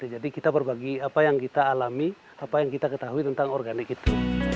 jadi kita berbagi apa yang kita alami apa yang kita ketahui tentang organik itu